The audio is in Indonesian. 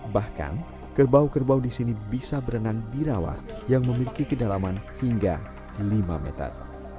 bahkan kerbau kerbau di sini bisa berenang di rawa yang memiliki kedalaman hingga lima meter